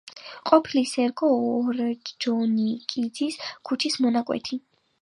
ყოფილი სერგო ორჯონიკიძის ქუჩის მონაკვეთი.